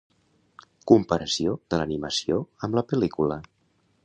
Comparació de l'animació amb la pel•lícula.